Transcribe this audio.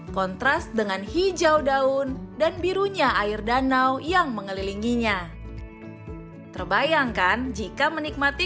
kontras dengan hijau daun dan birunya air danau yang mengelilinginya terbayangkan jika menikmati